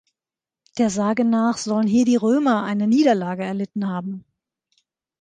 Der Sage nach sollen hier die Römer eine Niederlage erlitten haben.